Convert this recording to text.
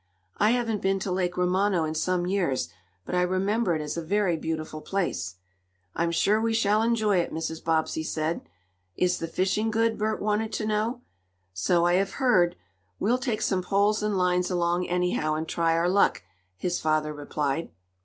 "I haven't been to Lake Romano in some years, but I remember it as a very beautiful place." "I'm sure we shall enjoy it," Mrs. Bobbsey said. "Is the fishing good?" Bert wanted to know. "So I have heard. We'll take some poles and lines along, anyhow, and try our luck," his father replied.